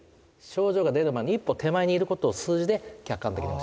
症状が出る前の一歩手前にいることを数字で客観的に教えてくれる。